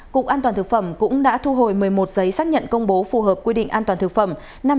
cục an toàn thực phẩm cũng đã thu hồi một mươi một giấy xác nhận công bố phù hợp quy định an toàn thực phẩm